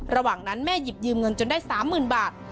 ระหว่างนั้นแม่หยิบยืมเงินจนได้๓๐๐๐บาท